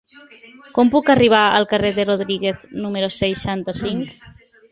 Com puc arribar al carrer de Rodríguez número seixanta-cinc?